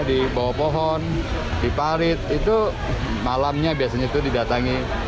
di bawah pohon di parit itu malamnya biasanya itu didatangi